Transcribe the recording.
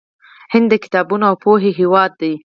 هند د کتابونو او پوهې هیواد دی.